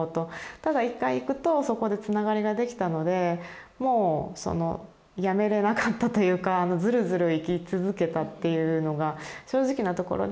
ただ一回行くとそこでつながりができたのでもうやめれなかったというかずるずる行き続けたっていうのが正直なところで。